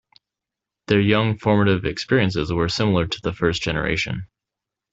Their young formative experiences were similar to the first generation.